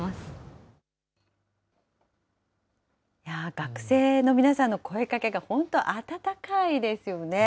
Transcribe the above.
学生の皆さんの声掛けが、本当、温かいですよね。